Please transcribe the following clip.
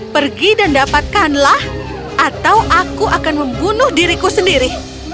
pergi dan dapatkanlah atau aku akan membunuh diriku sendiri